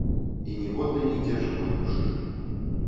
І ніводнай нідзе жывой душы.